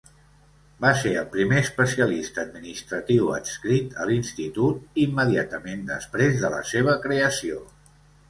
Va ser el primer especialista administratiu adscrit a l'Institut immediatament després de la seva creació.